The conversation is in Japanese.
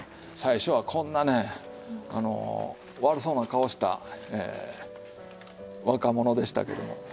最初はこんなね悪そうな顔した若者でしたけども。